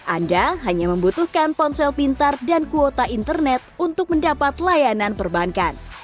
anda hanya membutuhkan ponsel pintar dan kuota internet untuk mendapat layanan perbankan